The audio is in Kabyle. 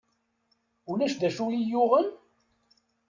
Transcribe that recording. Ulac d acu iyi-yuɣen?